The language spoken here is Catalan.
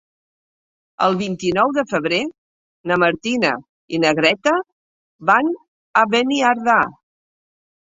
El vint-i-nou de febrer na Martina i na Greta van a Beniardà.